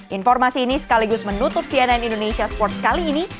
informasi ini sekaligus menutup cnn indonesia sports kali ini